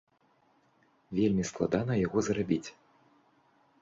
Вельмі складана яго зрабіць.